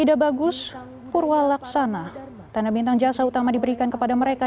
tanda bintang jasa utama diberikan kepada mereka tanda bintang jasa utama diberikan kepada mereka